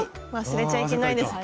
忘れちゃいけないです